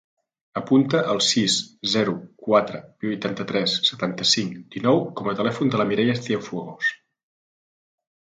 Apunta el sis, zero, quatre, vuitanta-tres, setanta-cinc, dinou com a telèfon de la Mireia Cienfuegos.